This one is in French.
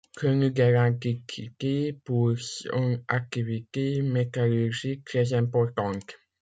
Connue dès l'Antiquité pour son activité métallurgique très importante.